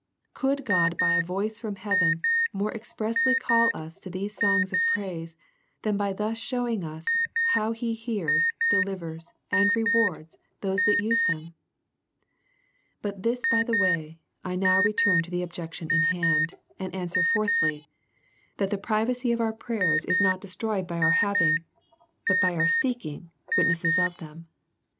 Could God by a voice from heaven more expressly call us to these songs of praise, than by thus showing us, how he hears, delivers, and rewards those that use them ? But this by the wa}^ I now return to the objection in hand ; and answer. Fourthly, That the privacy of our prayers, is not destroyed by our having, but by dur seeking witnesses of them.